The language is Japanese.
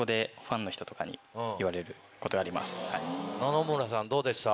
野々村さんどうでした？